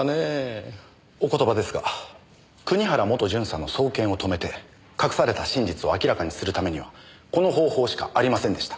お言葉ですが国原元巡査の送検を止めて隠された真実を明らかにする為にはこの方法しかありませんでした。